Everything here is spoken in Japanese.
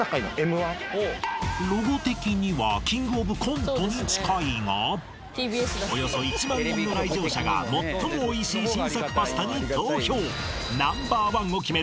ロゴ的にはキングオブコントに近いがおよそ１万人の来場者が最もおいしい新作パスタに投票Ｎｏ．１を決める